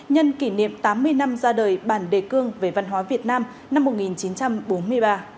nhân kỷ niệm tám mươi năm ra đời bản đề cương về văn hóa việt nam năm một nghìn chín trăm bốn mươi ba